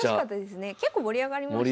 結構盛り上がりましたね。